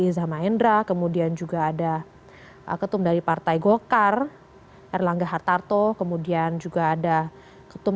iza mahendra kemudian juga ada ketum dari partai golkar erlangga hartarto kemudian juga ada ketum